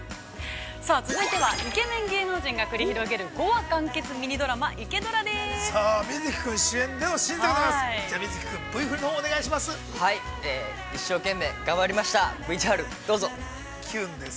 ◆続いてはイケメン芸能人が繰り広げる、５話完結ミニドラマ、「イケドラ」です。